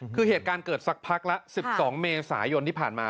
คือเหตุการณ์เกิดสักพักละ๑๒เมษายนที่ผ่านมา